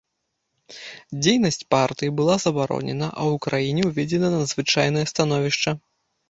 Дзейнасць партый была забаронена, а ў краіне ўведзена надзвычайнае становішча.